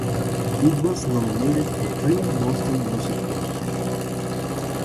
It was nominated for three Boston Music Awards.